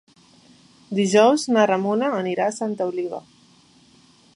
Dijous na Ramona anirà a Santa Oliva.